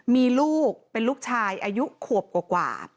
มีลูกเป็นลูกชายอายุขวบกว่า